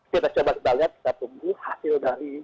kita coba kebelakangan kita tunggu